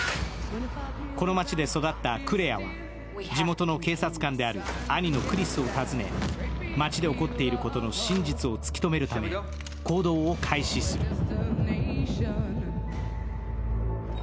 この街で育ったクレアは、地元の警察官である兄のクリスを訪ね、街で起こっていることの真実を突きとめるために行動を開始する。